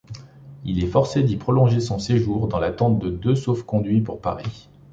Il est forcé d'y prolonger son séjour, dans l'attente de deux sauf-conduits pour Paris.